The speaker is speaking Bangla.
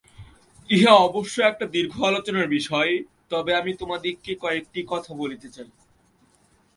ইহা অবশ্য একটি দীর্ঘ আলোচনার বিষয়, তবে আমি তোমাদিগকে কয়েকটি কথা বলিতে চাই।